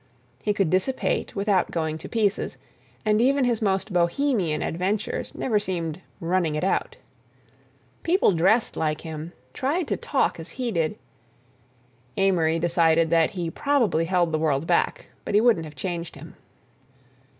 He could dissipate without going to pieces, and even his most bohemian adventures never seemed "running it out." People dressed like him, tried to talk as he did.... Amory decided that he probably held the world back, but he wouldn't have changed him.